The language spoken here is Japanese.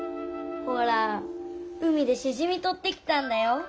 ほら海でしじみとってきたんだよ。